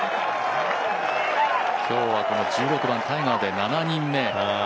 今日は１６番、タイガーで７人目。